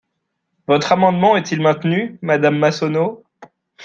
Votre amendement est-il maintenu, madame Massonneau?